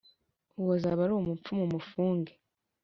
Uwo azaba ari umupfu mumufunge.